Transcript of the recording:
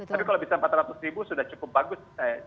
tapi kalau bisa empat ratus ribu sudah cukup bagus